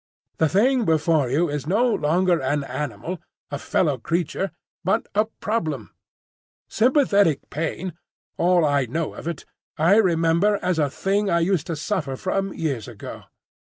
The thing before you is no longer an animal, a fellow creature, but a problem! Sympathetic pain,—all I know of it I remember as a thing I used to suffer from years ago.